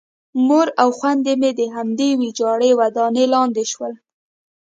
مور او خویندې مې د همدې ویجاړې ودانۍ لاندې شول